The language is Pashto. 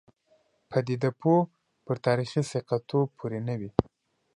پدیده پوه پر تاریخي ثقه توب پورې نه وي.